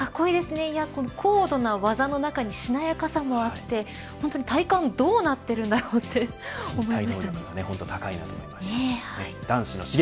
高度な技の中にしなやかさもあって、体幹どうなっているんだろうって思いました。